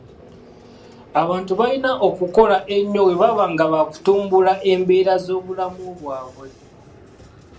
Abantu balina okukola ennyo bwe baba nga baakutumbula embeera z'obulamu bwabwe.